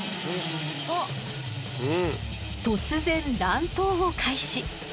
突然乱闘を開始。